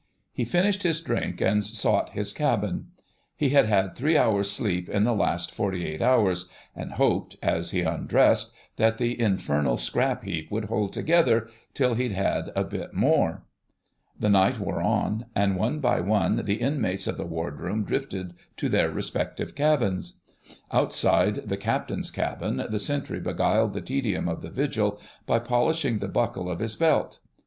He finished his drink and sought his cabin. He had had three hours' sleep in the last forty eight hours, and hoped, as he undressed, that the infernal scrap heap would hold together till he'd had a bit more. The night wore on, and one by one the inmates of the Wardroom drifted to their respective cabins. Outside the Captain's cabin the sentry beguiled the tedium of the vigil by polishing the buckle of his belt.